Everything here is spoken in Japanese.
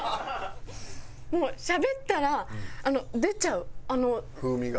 もうしゃべったら出ちゃう。